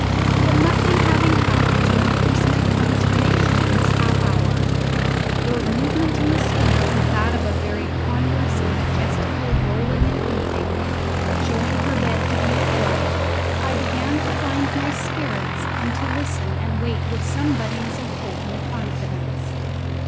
But nothing having happened to increase my consternation in this half hour, though the movement in the schooner was that of a very ponderous and majestical rolling and heaving, showing her bed to be afloat, I began to find my spirits and to listen and wait with some buddings of hope and confidence.